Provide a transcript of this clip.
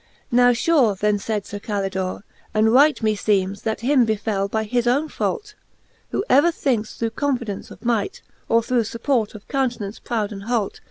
Now fure, then faid Sir Calidore, and right Me feemcs, that him befell by his owne fault: Who ever thinkes through confidence of might, Or through fupport of count'nance proud and hault